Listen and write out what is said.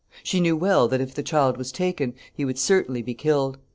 She knew well that, if the child was taken, he would certainly be killed.